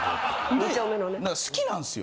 好きなんすよ。